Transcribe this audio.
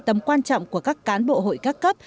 tầm quan trọng của các cán bộ hội các cấp